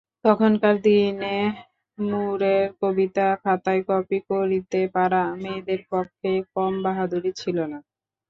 তখনকার দিনে মূরের কবিতা খাতায় কপি করিতে পারা মেয়েদের পক্ষে কম বাহাদুরি ছিল না।